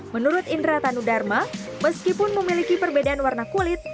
menurut indra tanudharma meskipun memiliki perbedaan warna kulit